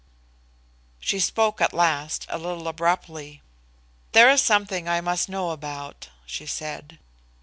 She spoke at last a little abruptly. "There is something I must know about," she said.